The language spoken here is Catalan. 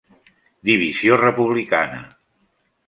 Divisió republicana.